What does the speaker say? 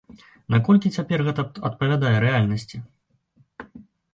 Наколькі цяпер гэта адпавядае рэальнасці?